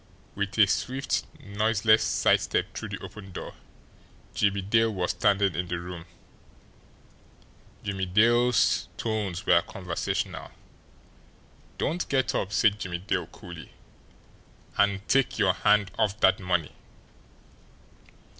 With a swift, noiseless side step through the open door, Jimmie Dale was standing in the room. Jimmie Dale's tones were conversational. "Don't get up," said Jimmie Dale coolly. "And take your hand off that money!"